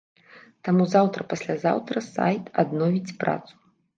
Таму заўтра-паслязаўтра сайт адновіць працу.